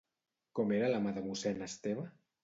Com era la mà de mossèn Esteve?